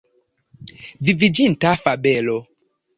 Viviĝinta fabelo.